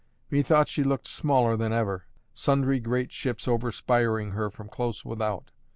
Methought she looked smaller than ever, sundry great ships overspiring her from close without.